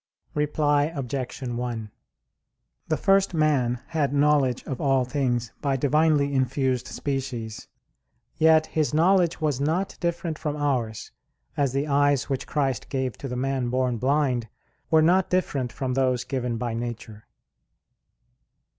Reply Obj. 1: The first man had knowledge of all things by divinely infused species. Yet his knowledge was not different from ours; as the eyes which Christ gave to the man born blind were not different from those given by nature.